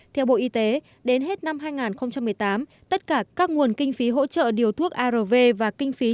theo bộ y tế đến hết năm hai nghìn một mươi tám tất cả các nguồn kinh phí hỗ trợ điều thuốc arv và kinh phí chống hiv aids đã được đánh giá